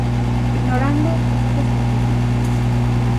Ignorando os datos científicos.